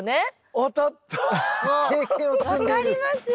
分かりますよ！